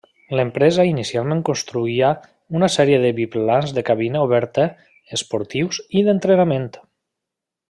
L'empresa inicialment construïa una sèrie de biplans de cabina oberta esportius i d'entrenament.